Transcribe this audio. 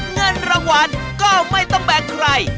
เงินรางวัลก็ไม่ต้องแบกใคร